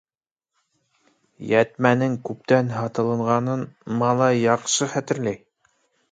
Йәтмәнең күптән һатылғанын малай яҡшы хәтерләй.